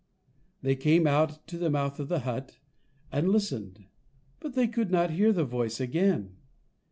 They came out to the mouth of the hut, and listened, but could not hear the voice again.